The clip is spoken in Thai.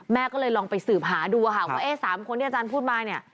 แม่ก็เลยลองไปสืบหาดูค่ะว่า๓คนที่อาจารย์พูดมาเนี่ย